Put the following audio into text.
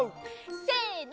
せの！